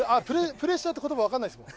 プレッシャーって言葉わかんないですもん。